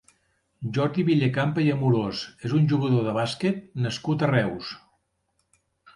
Jordi Villacampa i Amorós és un jugador de bàsquet nascut a Reus.